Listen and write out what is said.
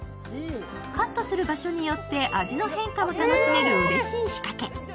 カットする場所によって味の変化も楽しめるうれしい仕掛け。